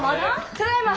ただいま！